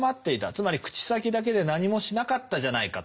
つまり口先だけで何もしなかったじゃないかと。